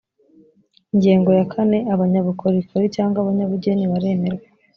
ingingo ya kane abanyabukorikori cyangwa abanyabugeni baremerwa